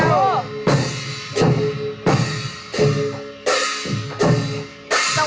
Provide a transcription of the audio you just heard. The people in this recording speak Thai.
สว่างใจ